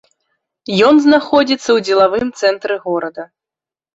Ён знаходзіцца ў дзелавым цэнтры горада.